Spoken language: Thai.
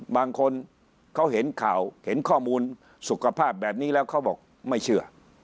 บางคนเขาเห็นข่าวเห็นข้อมูลสุขภาพแบบนี้แล้วเขาบอกไม่เชื่อ